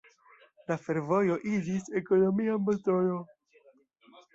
La fervojo iĝis ekonomia motoro.